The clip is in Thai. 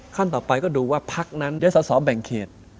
ขั้นต่อไปก็ดูว่าพักนั้นได้สอสอแบ่งเขต